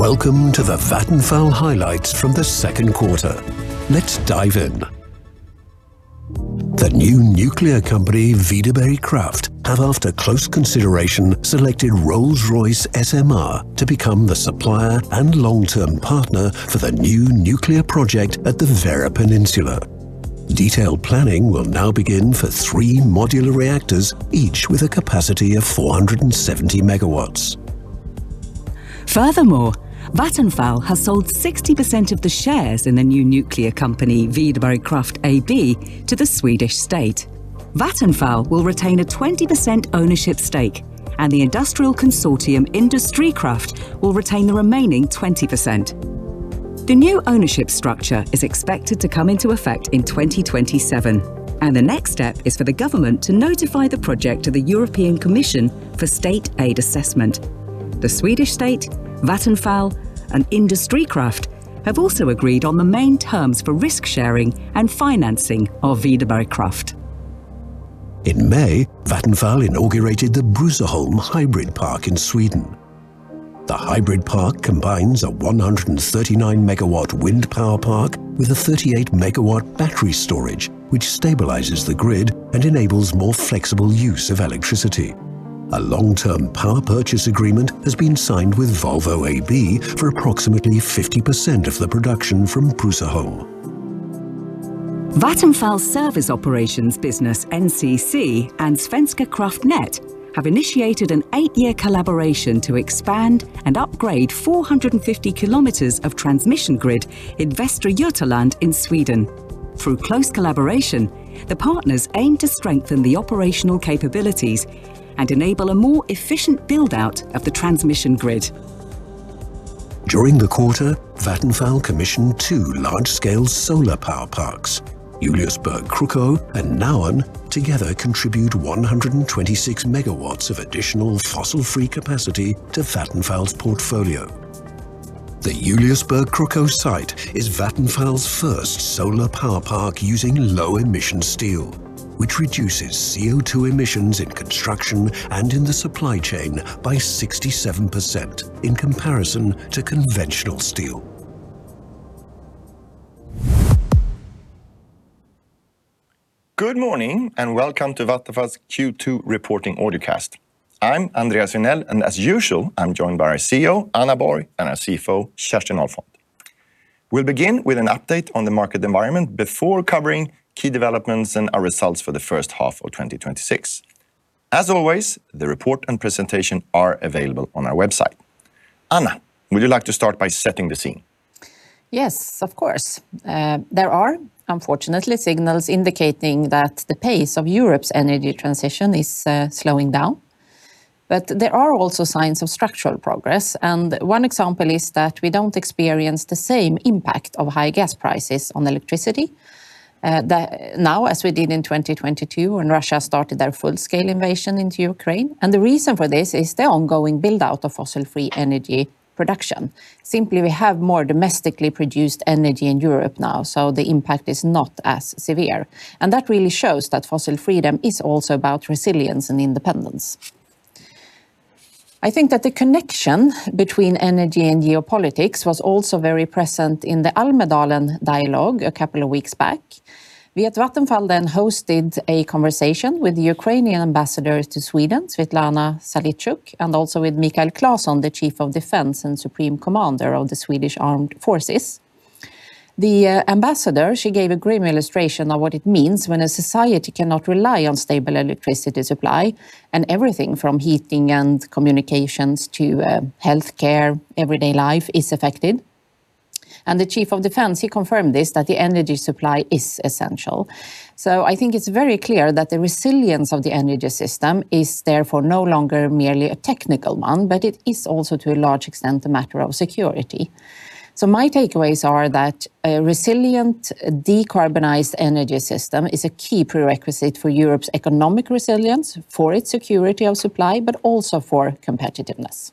Welcome to the Vattenfall highlights from the second quarter. Let's dive in. The new nuclear company, Videberg Kraft, have, after close consideration, selected Rolls-Royce SMR to become the supplier and long-term partner for the new nuclear project at the Värö Peninsula. Detailed planning will now begin for three modular reactors, each with a capacity of 470 MW. Vattenfall has sold 60% of the shares in the new nuclear company, Videberg Kraft AB, to the Swedish state. Vattenfall will retain a 20% ownership stake, and the industrial consortium, Industrikraft, will retain the remaining 20%. The new ownership structure is expected to come into effect in 2027. The next step is for the government to notify the project to the European Commission for state aid assessment. The Swedish state, Vattenfall, and Industrikraft have also agreed on the main terms for risk sharing and financing of Videberg Kraft. In May, Vattenfall inaugurated the Bruzaholm hybrid park in Sweden. The hybrid park combines a 139 MW wind power park with a 38 MW battery storage, which stabilizes the grid and enables more flexible use of electricity. A long-term power purchase agreement has been signed with AB Volvo for approximately 50% of the production from Bruzaholm. Vattenfall service operations business, NCC, and Svenska kraftnät have initiated an eight-year collaboration to expand and upgrade 450 km of transmission grid in Västra Götaland in Sweden. Through close collaboration, the partners aim to strengthen the operational capabilities and enable a more efficient build-out of the transmission grid. During the quarter, Vattenfall commissioned two large-scale solar power parks. Juliusburg/Krukow and Nauen together contribute 126 MW of additional fossil-free capacity to Vattenfall's portfolio. The Juliusburg/Krukow site is Vattenfall's first solar power park using low-emission steel, which reduces CO2 emissions at construction and in the supply chain by 67% in comparison to conventional steel. Good morning, welcome to Vattenfall's Q2 reporting audiocast. I'm Andreas Regnell, as usual, I'm joined by our CEO, Anna Borg, and our CFO, Kerstin Ahlfont. We'll begin with an update on the market environment before covering key developments and our results for the first half of 2026. As always, the report and presentation are available on our website. Anna, would you like to start by setting the scene? Yes, of course. There are unfortunately signals indicating that the pace of Europe's energy transition is slowing down, there are also signs of structural progress, one example is that we don't experience the same impact of high gas prices on electricity now as we did in 2022 when Russia started their full-scale invasion into Ukraine. The reason for this is the ongoing build-out of fossil-free energy production. Simply, we have more domestically produced energy in Europe now, the impact is not as severe. That really shows that fossil freedom is also about resilience and independence. I think that the connection between energy and geopolitics was also very present in the Almedalen dialogue a couple of weeks back. We at Vattenfall hosted a conversation with the Ukrainian ambassador to Sweden, Svitlana Zalishchuk, and also with Michael Claesson, the Chief of Defence and Supreme Commander of the Swedish Armed Forces. The ambassador, she gave a grim illustration of what it means when a society cannot rely on stable electricity supply, everything from heating and communications to healthcare, everyday life is affected. The Chief of Defence, he confirmed this, that the energy supply is essential. I think it's very clear that the resilience of the energy system is therefore no longer merely a technical one, it is also, to a large extent, a matter of security. My takeaways are that a resilient, decarbonized energy system is a key prerequisite for Europe's economic resilience, for its security of supply, also for competitiveness.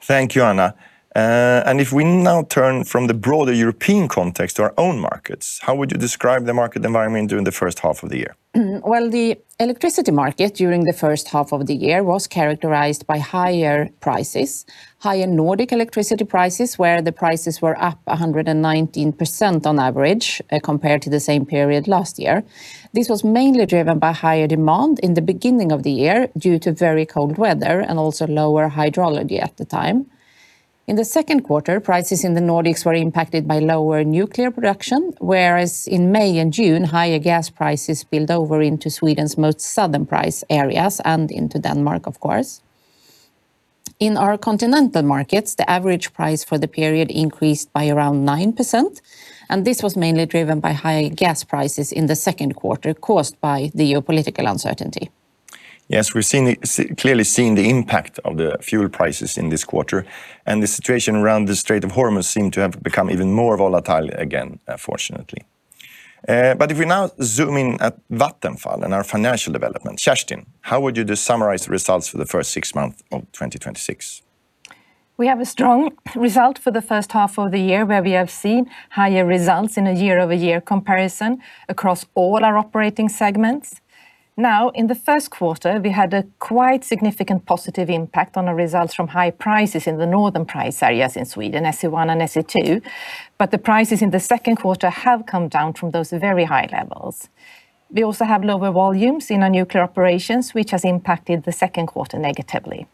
Thank you, Anna. If we now turn from the broader European context to our own markets, how would you describe the market environment during the first half of the year? Well, the electricity market during the first half of the year was characterized by higher prices, higher Nordic electricity prices, where the prices were up 119% on average compared to the same period last year. This was mainly driven by higher demand in the beginning of the year due to very cold weather and also lower hydrology at the time. In the second quarter, prices in the Nordics were impacted by lower nuclear production, whereas in May and June, higher gas prices spilled over into Sweden's most southern price areas and into Denmark, of course. In our continental markets, the average price for the period increased by around 9%, this was mainly driven by high gas prices in the second quarter caused by the geopolitical uncertainty. Yes, we're clearly seeing the impact of the fuel prices in this quarter, the situation around the Strait of Hormuz seem to have become even more volatile again, unfortunately. If we now zoom in at Vattenfall and our financial development, Kerstin, how would you summarize the results for the first six months of 2026? We have a strong result for the first half of the year where we have seen higher results in a year-over-year comparison across all our operating segments. Now, in the first quarter, we had a quite significant positive impact on our results from high prices in the northern price areas in Sweden, SE1 and SE2, the prices in the second quarter have come down from those very high levels. We also have lower volumes in our nuclear operations, which has impacted the second quarter negatively.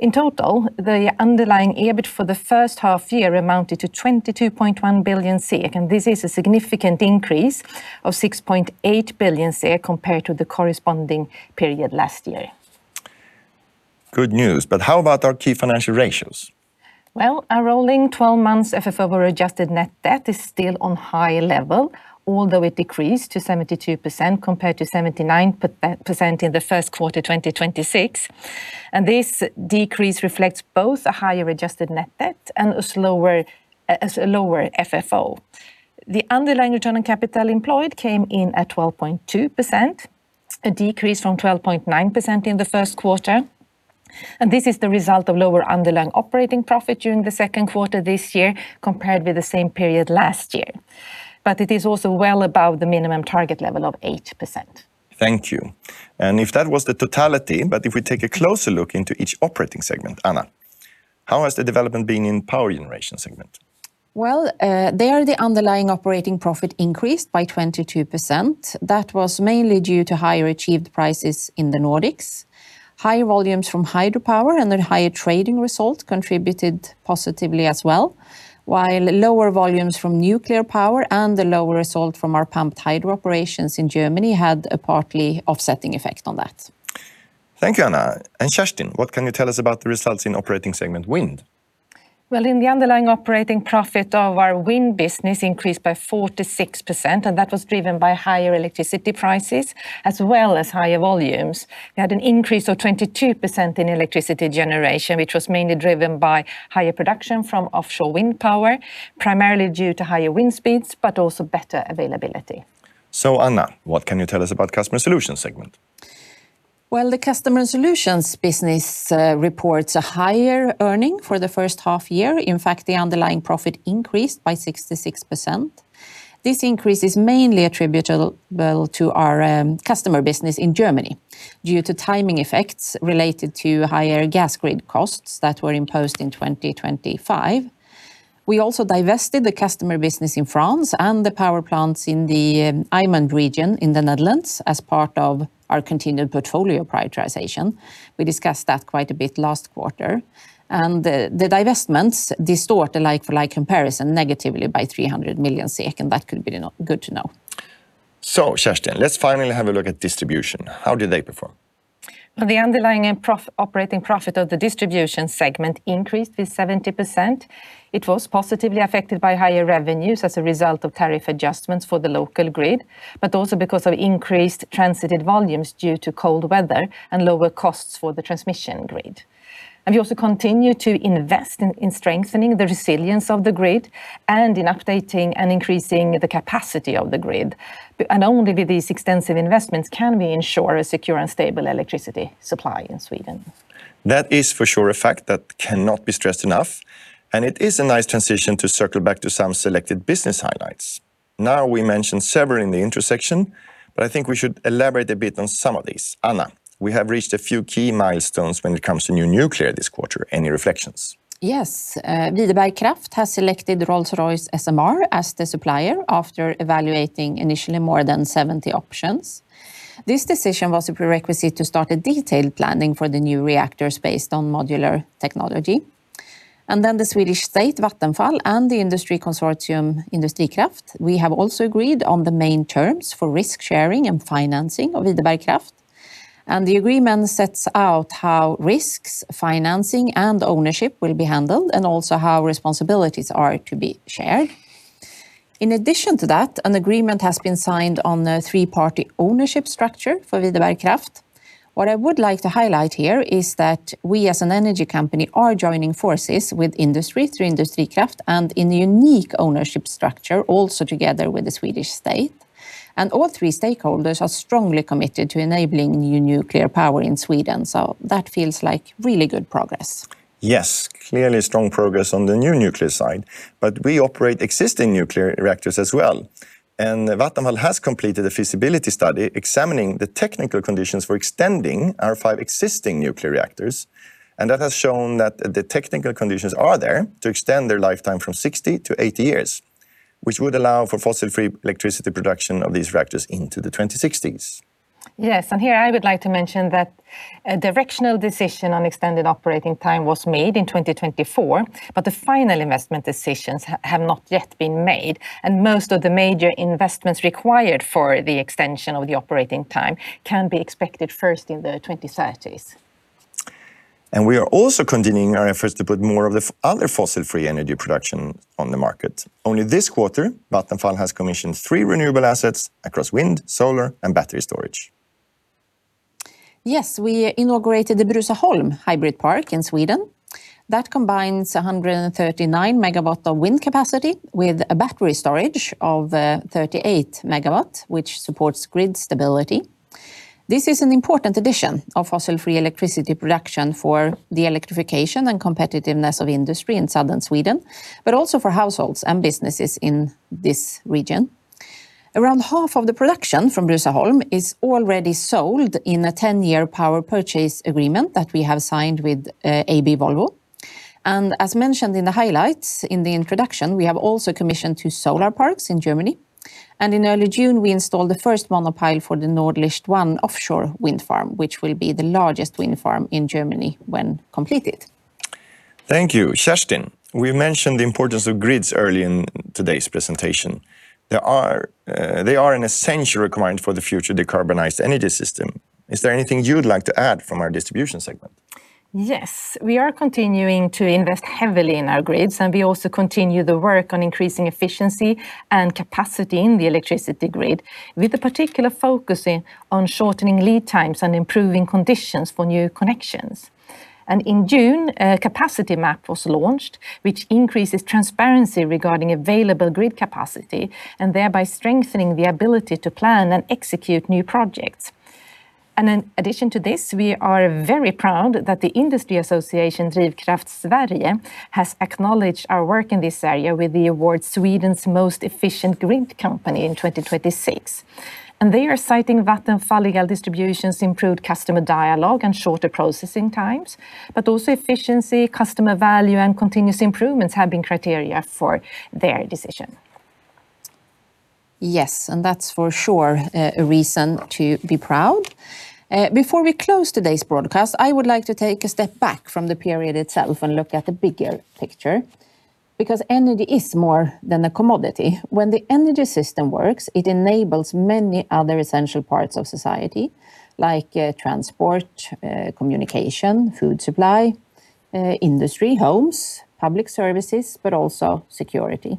In total, the underlying EBIT for the first half year amounted to 22.1 billion, this is a significant increase of 6.8 billion compared to the corresponding period last year. Good news, but how about our key financial ratios? Well, our rolling 12 months FFO-adjusted net debt is still on high level, although it decreased to 72% compared to 79% in the first quarter 2026. This decrease reflects both a higher adjusted net debt and a lower FFO. This is the result of lower underlying operating profit during the second quarter this year compared with the same period last year. It is also well above the minimum target level of 8%. Thank you. If that was the totality, but if we take a closer look into each operating segment, Anna, how has the development been in Power Generation segment? Well, there, the underlying operating profit increased by 22%. That was mainly due to higher achieved prices in the Nordics. Higher volumes from hydropower and then higher trading results contributed positively as well, while lower volumes from nuclear power and the lower result from our pumped hydro operations in Germany had a partly offsetting effect on that. Thank you, Anna. Kerstin, what can you tell us about the results in operating segment Wind? Well, the underlying operating profit of our Wind business increased by 46%. That was driven by higher electricity prices as well as higher volumes. We had an increase of 22% in electricity generation, which was mainly driven by higher production from offshore wind power, primarily due to higher wind speeds, but also better availability. Anna, what can you tell us about Customer Solutions segment? Well, the Customer Solutions business reports a higher earning for the first half year. In fact, the underlying profit increased by 66%. This increase is mainly attributable to our customer business in Germany due to timing effects related to higher gas grid costs that were imposed in 2025. We also divested the customer business in France and the power plants in the IJmond region in the Netherlands as part of our continued portfolio prioritization. We discussed that quite a bit last quarter. The divestments distort a like-for-like comparison negatively by 300 million SEK, and that could be good to know. Kerstin, let's finally have a look at Distribution. How did they perform? The underlying operating profit of the Distribution segment increased with 70%. It was positively affected by higher revenues as a result of tariff adjustments for the local grid, but also because of increased transited volumes due to cold weather and lower costs for the transmission grid. We also continue to invest in strengthening the resilience of the grid and in updating and increasing the capacity of the grid. Only with these extensive investments can we ensure a secure and stable electricity supply in Sweden. That is for sure a fact that cannot be stressed enough, and it is a nice transition to circle back to some selected business highlights. Now, we mentioned several in the intersection, but I think we should elaborate a bit on some of these. Anna, we have reached a few key milestones when it comes to new nuclear this quarter. Any reflections? Yes. Videberg Kraft has selected Rolls-Royce SMR as the supplier after evaluating initially more than 70 options. This decision was a prerequisite to start a detailed planning for the new reactors based on modular technology. The Swedish state, Vattenfall, and the industry consortium, Industrikraft, we have also agreed on the main terms for risk-sharing and financing of Videberg Kraft. The agreement sets out how risks, financing, and ownership will be handled, and also how responsibilities are to be shared. In addition to that, an agreement has been signed on the three-party ownership structure for Videberg Kraft. What I would like to highlight here is that we, as an energy company, are joining forces with industry through Industrikraft and in a unique ownership structure also together with the Swedish state. All three stakeholders are strongly committed to enabling new nuclear power in Sweden, so that feels like really good progress. Clearly strong progress on the new nuclear side, we operate existing nuclear reactors as well. Vattenfall has completed a feasibility study examining the technical conditions for extending our five existing nuclear reactors, that has shown that the technical conditions are there to extend their lifetime from 60 to 80 years, which would allow for fossil-free electricity production of these reactors into the 2060s. Here I would like to mention that a directional decision on extended operating time was made in 2024, the final investment decisions have not yet been made, most of the major investments required for the extension of the operating time can be expected first in the 2030s. We are also continuing our efforts to put more of the other fossil-free energy production on the market. Only this quarter, Vattenfall has commissioned three renewable assets across wind, solar, and battery storage. We inaugurated the Bruzaholm hybrid park in Sweden. That combines 139 MW of wind capacity with a battery storage of 38 MW, which supports grid stability. This is an important addition of fossil-free electricity production for the electrification and competitiveness of industry in Southern Sweden, but also for households and businesses in this region. Around half of the production from Bruzaholm is already sold in a 10-year power purchase agreement that we have signed with AB Volvo. As mentioned in the highlights in the introduction, we have also commissioned two solar parks in Germany. In early June, we installed the first monopile for the Nordlicht 1 offshore wind farm, which will be the largest wind farm in Germany when completed. Thank you. Kerstin, we mentioned the importance of grids early in today's presentation. They are an essential requirement for the future decarbonized energy system. Is there anything you'd like to add from our Distribution segment? Yes. We are continuing to invest heavily in our grids, and we also continue the work on increasing efficiency and capacity in the electricity grid, with a particular focus on shortening lead times and improving conditions for new connections. In June, a capacity map was launched, which increases transparency regarding available grid capacity and thereby strengthening the ability to plan and execute new projects. In addition to this, we are very proud that the industry association Drivkraft Sverige has acknowledged our work in this area with the award Sweden's Most Efficient Grid Company in 2026. They are citing Vattenfall Distribution's improved customer dialogue and shorter processing times, but also efficiency, customer value, and continuous improvements have been criteria for their decision. Yes, that's for sure a reason to be proud. Before we close today's broadcast, I would like to take a step back from the period itself and look at the bigger picture, because energy is more than a commodity. When the energy system works, it enables many other essential parts of society, like transport, communication, food supply, industry, homes, public services, but also security.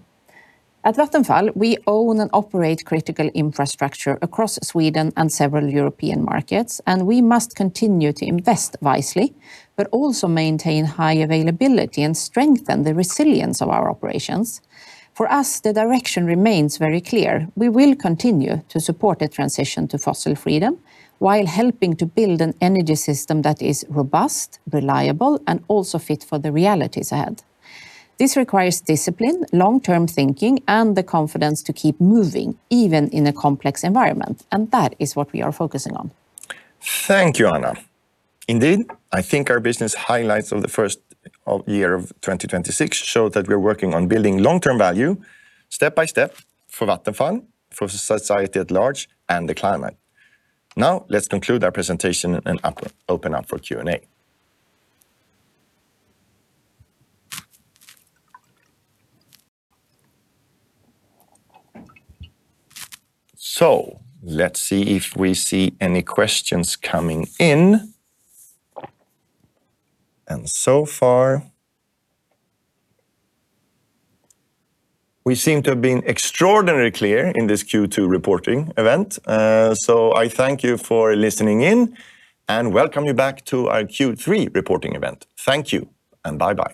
At Vattenfall, we own and operate critical infrastructure across Sweden and several European markets, and we must continue to invest wisely, but also maintain high availability and strengthen the resilience of our operations. For us, the direction remains very clear. We will continue to support the transition to fossil freedom while helping to build an energy system that is robust, reliable, and also fit for the realities ahead. This requires discipline, long-term thinking, and the confidence to keep moving, even in a complex environment and that is what we are focusing on. Thank you, Anna. Indeed, I think our business highlights of the first year of 2026 show that we're working on building long-term value step by step for Vattenfall, for society at large, and the climate. Let's conclude our presentation and open up for Q and A. Let's see if we see any questions coming in. So far, we seem to have been extraordinarily clear in this Q2 reporting event. I thank you for listening in and welcome you back to our Q3 reporting event. Thank you and bye-bye.